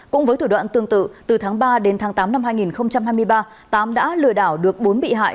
cũng với thủ đoạn tương tự từ tháng ba đến tháng tám năm hai nghìn hai mươi ba tám đã lừa đảo được bốn bị hại